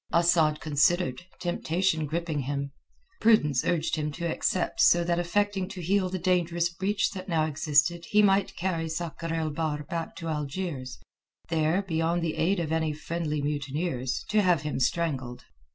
Asad considered, temptation gripping, him. Prudence urged him to accept, so that affecting to heal the dangerous breach that now existed he might carry Sakr el Bahr back to Algiers, there, beyond the aid of any friendly mutineers, to have him strangled.